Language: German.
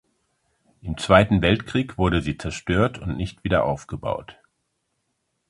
Im Zweiten Weltkrieg wurde sie zerstört und nicht wieder aufgebaut.